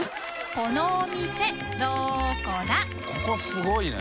ここすごいね。